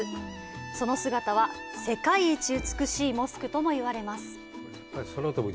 その姿は、世界一美しいモスクとも言われます。